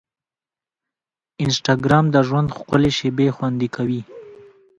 انسټاګرام د ژوند ښکلي شېبې خوندي کوي.